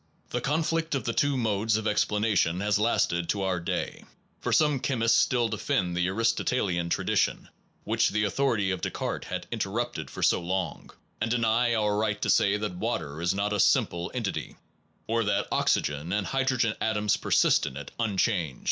The conflict of the two modes of ex planation has lasted to our day, for some chemists still defend the Aristotelian tradition which the authority of Descartes had inter rupted for so long, and deny our right to say that water is not a simple entity, or that oxygen and hydrogen atoms persist in it un changed.